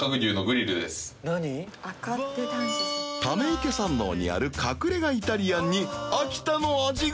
溜池山王にある隠れ家イタリアンに秋田の味が！